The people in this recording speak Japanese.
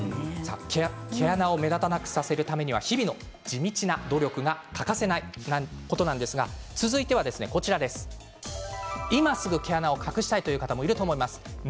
毛穴を目立たなくさせるためには日々の地道な努力が欠かせないことなんですが続いては今すぐ毛穴を隠したいという方もいるかもしれませんね。